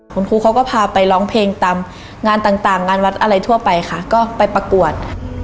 คุณครูเขาก็พาไปร้องเพลงตามงานต่างงานวัดอะไรทั่วไปค่ะก็ไปประกวด